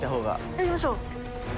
やりましょう。